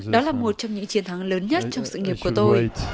đó là một trong những chiến thắng lớn nhất trong sự nghiệp của tôi